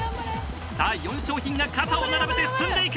４商品が肩を並べて進んでいく！